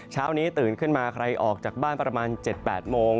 เช้านี้ตื่นขึ้นมาใครออกจากบ้านประมาณ๗๘โมง